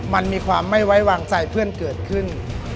มันมีความไม่ไว้วางใจเพื่อนเกิดขึ้น